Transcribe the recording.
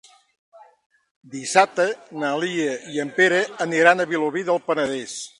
Dissabte na Lia i en Pere aniran a Vilobí del Penedès.